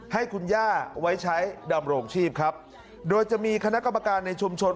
ให้คุณย่าไว้ใช้ดำรงชีพครับโดยจะมีคณะกรรมการในชุมชน